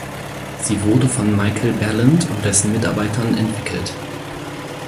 Sie wurde von Michael Balint und dessen Mitarbeitern entwickelt.